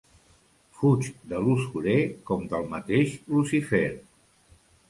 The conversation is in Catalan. Fuig de l'usurer com del mateix Lucífer.